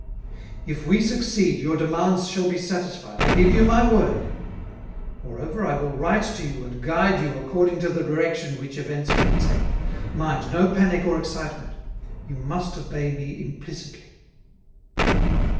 "If we succeed your demands shall be satisfied, I give you my word. Moreover, I will write to you and guide you according to the direction which events may take. Mind, no panic or excitement. You must obey me implicitly."